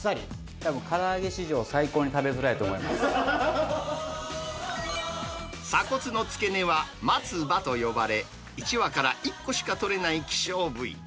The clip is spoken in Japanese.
たぶん、から揚げ史上最高に鎖骨の付け根はまつばと呼ばれ、１羽から１個しか取れない希少部位。